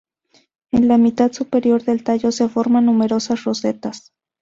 En la mitad superior del tallo se forman numerosas rosetas.